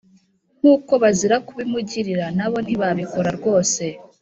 nk’uko bazira kubimugirira na bo ntibabikora rwose